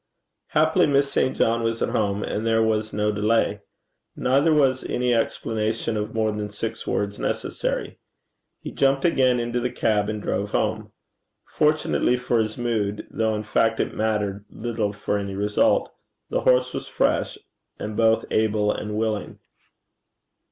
Happily Miss St. John was at home, and there was no delay. Neither was any explanation of more than six words necessary. He jumped again into the cab and drove home. Fortunately for his mood, though in fact it mattered little for any result, the horse was fresh, and both able and willing.